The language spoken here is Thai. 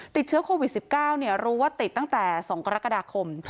ติดเชื้อโควิด๑๙รู้ว่าติดตั้งแต่๒กรกฎาคม